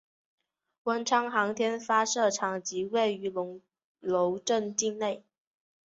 文昌航天发射场即位于龙楼镇境内。